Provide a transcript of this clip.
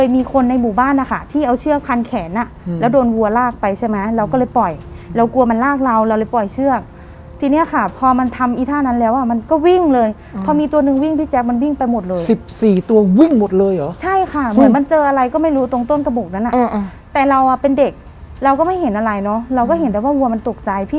มีคนในหมู่บ้านนะคะที่เอาเชือกพันแขนอ่ะแล้วโดนวัวลากไปใช่ไหมเราก็เลยปล่อยเรากลัวมันลากเราเราเลยปล่อยเชือกทีเนี้ยค่ะพอมันทำอีท่านั้นแล้วอ่ะมันก็วิ่งเลยพอมีตัวหนึ่งวิ่งพี่แจ๊คมันวิ่งไปหมดเลยสิบสี่ตัววิ่งหมดเลยเหรอใช่ค่ะเหมือนมันเจออะไรก็ไม่รู้ตรงต้นกระบุกนั้นอ่ะแต่เราอ่ะเป็นเด็กเราก็ไม่เห็นอะไรเนอะเราก็เห็นแต่ว่าวัวมันตกใจพี่